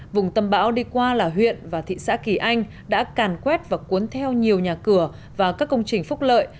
vùng tâm bão đi qua là huyện và thị xã kỳ anh đã càn quét và cuốn theo nhiều nhà cửa và các công trình phúc lợi